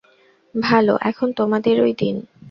ভাল, এখন তোমাদেরই দিন।